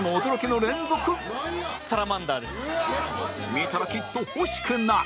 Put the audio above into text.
見たらきっと欲しくなる